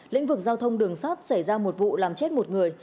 lĩnh vực giao thông đường sắt xảy ra một vụ làm chết một người